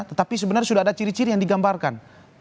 tetapi sebenarnya sudah ada ciri ciri yang digambarkan